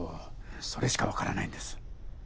それしかわからないんです。